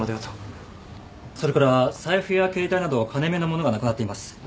それから財布や携帯など金目の物がなくなっています。